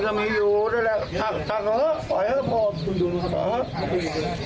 เต็มตัวหนูกำลังไปพ่ออย่าเพิ่งเป็นอะไร